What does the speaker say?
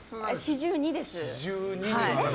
４２です。